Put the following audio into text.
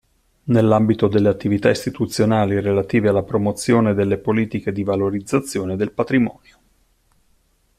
Nell'ambito delle attività istituzionali relative alla promozione delle politiche di valorizzazione del patrimonio.